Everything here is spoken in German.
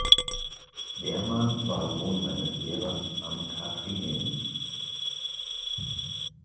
Wehrmann war Sohn eines Lehrers am Katharineum.